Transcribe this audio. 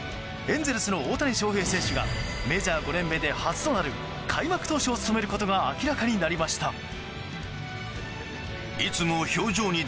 エンゼルスの大谷翔平選手がメジャー５年目で初となる開幕投手を務めることが明らかになりました。